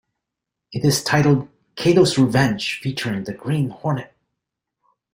It is titled "Kato's Revenge Featuring the Green Hornet".